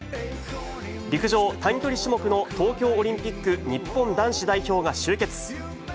陸上短距離種目の東京オリンピック日本男子代表が集結。